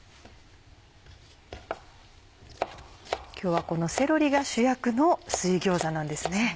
今日はこのセロリが主役の水餃子なんですね。